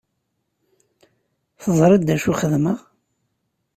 Teẓriḍ d acu i xedmeɣ?